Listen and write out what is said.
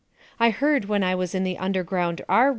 I hird when I was on the Underground R.